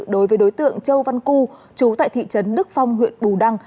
đối với đối tượng châu văn cư trú tại thị trấn đức phong huyện bù đăng